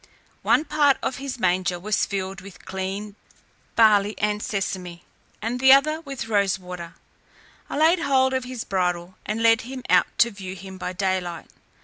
One part of his manger was filled with clean barley and sesame, and the other with rose water. I laid hold of his bridle, and led him out to view him by daylight.